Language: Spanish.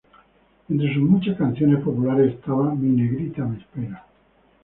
Entre sus muchas canciones populares estaba "Mi Negrita Me Espera".